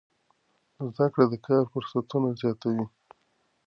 زده کړه د کار فرصتونه زیاتوي.